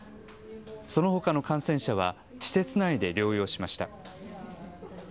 そのほかの感染者は施設内で療養しました。